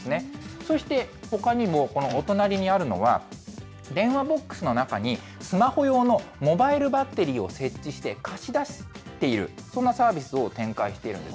そして、ほかにもこのお隣にあるのは、電話ボックスの中に、スマホ用のモバイルバッテリーを設置して、貸し出すっていう、そんなサービスを展開しているんです。